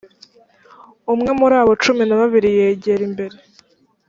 umwe muri abo cumi na babiri yegera imbere